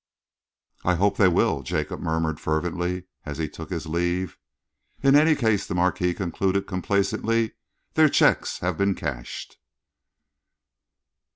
"I hope they will!" Jacob murmured fervently, as he took his leave. "In any case," the Marquis concluded complacently, "their cheques have been cashed."